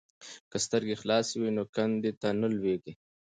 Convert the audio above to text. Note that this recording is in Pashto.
که سترګې خلاصې وي نو کندې ته نه لویږي.